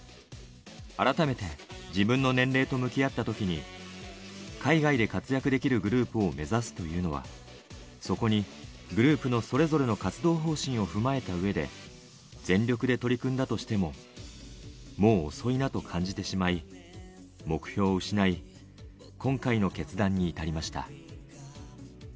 改めて自分の年齢と向き合ったときに、海外で活躍できるグループを目指すというのは、そこにグループのそれぞれの活動方針を踏まえたうえで、全力で取り組んだとしても、もう遅いなと感じてしまい、目標を失い、今回の決断に至りました。